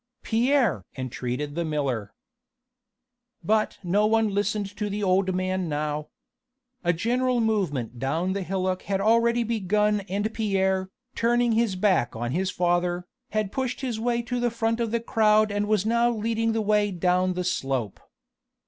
"Pierre!" entreated the miller. But no one listened to the old man now. A general movement down the hillock had already begun and Pierre, turning his back on his father, had pushed his way to the front of the crowd and was now leading the way down the slope.